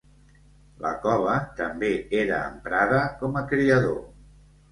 La cova també era emprada com a criador.